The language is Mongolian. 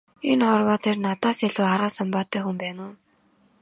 Энэ хорвоо дээр надаас илүү арга самбаатай хүн байна уу?